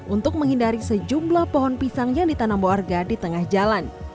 untuk menghindari sejumlah pohon pisang yang ditanam warga di tengah jalan